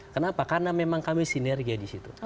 kenapa karena memang kami sinergi disitu